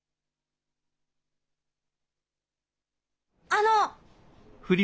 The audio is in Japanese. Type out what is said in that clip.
あの！